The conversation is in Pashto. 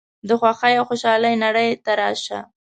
د خوښۍ او خوشحالۍ نړۍ ته راشه.